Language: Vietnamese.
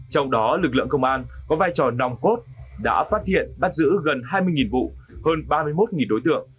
trong đó lực lượng công an có vai trò nòng cốt đã phát hiện bắt giữ gần hai mươi vụ hơn ba mươi một đối tượng